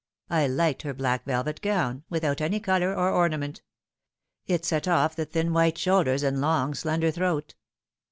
I liked her black velvet gown, without any colour or ornament. It set off the thin white shoulders and long slender throat."